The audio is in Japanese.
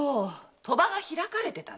賭場が開かれてたの！